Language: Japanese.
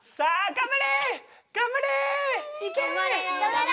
頑張れ！